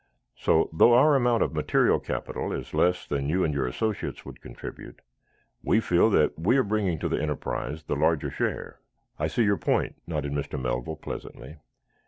So, though our amount of material capital is less than you and your associates would contribute, we feel that we are bringing to the enterprise the larger share." "I see your point," nodded Mr. Melville, pleasantly.